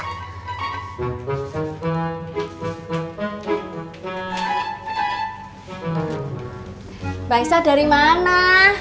mbak isah dari mana